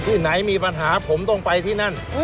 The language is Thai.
ที่ไหนมีปัญหาผมต้องไปที่นั่น